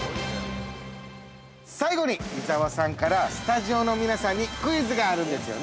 ◆最後に、伊沢さんから、スタジオの皆さんにクイズがあるんですよね。